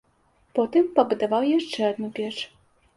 Потым пабудаваў яшчэ адну печ.